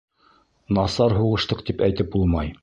Насар һуғыштыҡ тип әйтеп булмай.